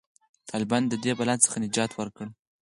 طالبانو د دې بلا څخه نجات ورکړ.